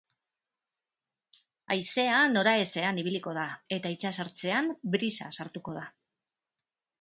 Haizea nora ezean ibiliko da, eta itsasertzean brisa sartuko da.